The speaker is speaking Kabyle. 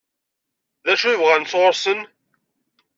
D acu i bɣan sɣur-sen?